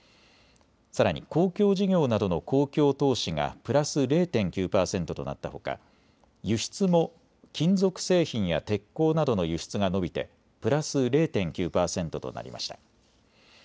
さらに公共事業などの公共投資がプラス０．９％となったほか輸出も金属製品や鉄鋼などの輸出が伸びてプラス０．９％となりました。